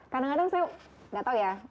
kadang kadang saya nggak tahu ya